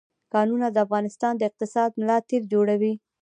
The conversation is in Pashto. کانونه د افغانستان د اقتصاد ملا تیر جوړوي.